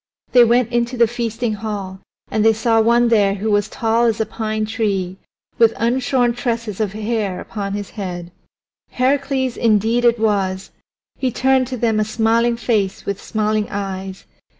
They went into the feasting hall and they saw one there who was tall as a pine tree, with unshorn tresses of hair upon his head. Heracles indeed it was! He turned to them a smiling face with smiling eyes.